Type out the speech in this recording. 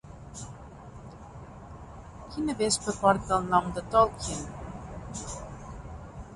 Quina vespa porta el nom de Tolkien?